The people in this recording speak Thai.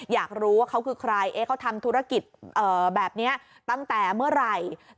อยากรู้ว่าเขาคือใครเขาทำธุรกิจแบบนี้ตั้งแต่เมื่อไหร่